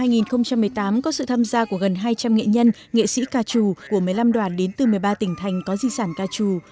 liên hoan ca trù toàn quốc năm hai nghìn một mươi tám có sự tham gia của gần hai trăm linh nghệ nhân nghệ sĩ ca trù của một mươi năm đoàn đến từ một mươi ba tỉnh thành có di sản ca trù